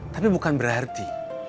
tapi bukan berarti